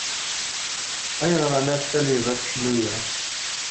Ayɣer ay la tettalyeḍ aseklu-a?